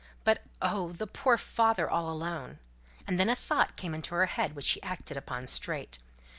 But oh! the poor father all alone!" And then a thought came into her head, which she acted upon straight.